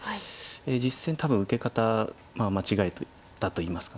実戦多分受け方間違えたといいますか。